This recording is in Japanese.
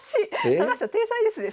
高橋さん天才ですね。